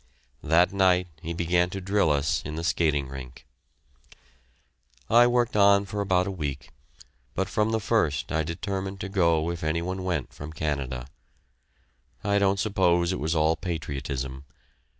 That night he began to drill us in the skating rink. I worked on for about a week, but from the first I determined to go if any one went from Canada. I don't suppose it was all patriotism.